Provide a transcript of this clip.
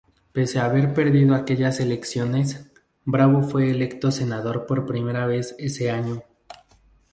Pese haber perdido aquellas elecciones, Bravo fue electo senador por primera vez ese año.